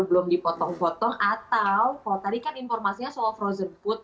belum dipotong potong atau kalau tadi kan informasinya soal frozen food